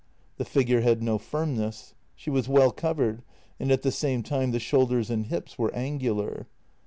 The figure had no firmness; she was well covered, and at the same time the shoulders and hips were angular.